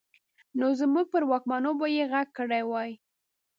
نو زموږ پر واکمنو به يې غږ کړی وای.